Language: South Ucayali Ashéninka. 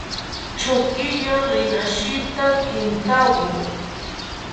Chokiyo rinashita kintawo